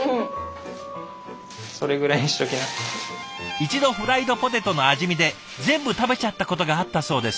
一度フライドポテトの味見で全部食べちゃったことがあったそうです。